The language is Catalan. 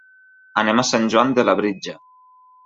Anem a Sant Joan de Labritja.